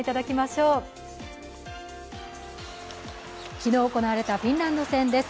昨日、行われたフィンランド戦です。